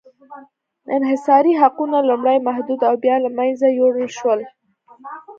انحصاري حقونه لومړی محدود او بیا له منځه یووړل شول.